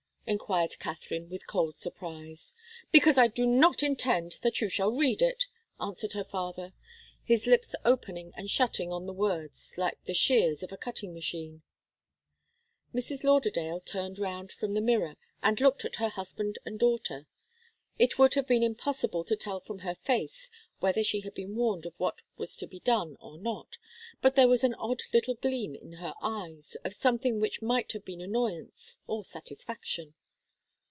enquired Katharine, with cold surprise. "Because I do not intend that you shall read it," answered her father, his lips opening and shutting on the words like the shears of a cutting machine. Mrs. Lauderdale turned round from the mirror and looked at her husband and daughter. It would have been impossible to tell from her face whether she had been warned of what was to be done or not, but there was an odd little gleam in her eyes, of something which might have been annoyance or satisfaction.